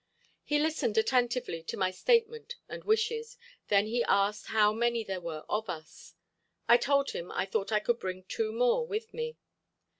He listened attentively to my statement and wishes, then he asked how many there were of us. I told him I thought I could bring two more with me.